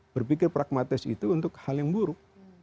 berpikir pragmatis itu untuk hal yang buruk